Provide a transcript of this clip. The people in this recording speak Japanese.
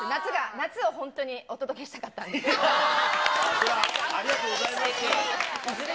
夏を本当にお届けしそれはありがとうございます。